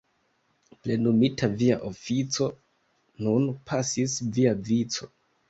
Plenumita via ofico, nun pasis via vico!